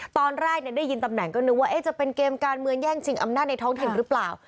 ตอนแรกได้ยินตำแหน่งก็นึกว่าจะเป็นเกมการเมืองแย่งชิงอำนาจในท้องถิ่นหรือเปล่า